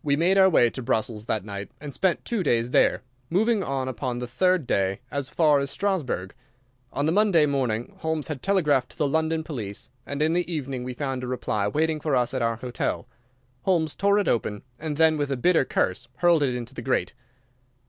We made our way to Brussels that night and spent two days there, moving on upon the third day as far as Strasburg. On the Monday morning Holmes had telegraphed to the London police, and in the evening we found a reply waiting for us at our hotel. Holmes tore it open, and then with a bitter curse hurled it into the grate.